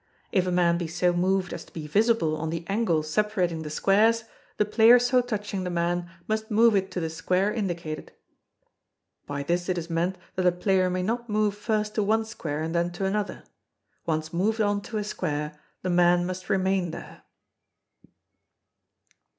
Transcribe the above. If a man be so moved as to be visible on the angle separating the squares, the player so touching the man must move it to the square indicated. [By this it is meant that a player may not move first to one square and then to another. Once moved on to a square, the man must remain there.